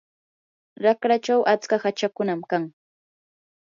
raqrachaw atska hachakunam kan.